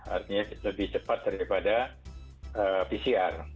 artinya lebih cepat daripada pcr